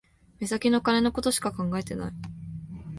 目先の金のことしか考えてない